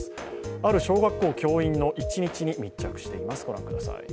ある小学校の教員の一日に密着しています。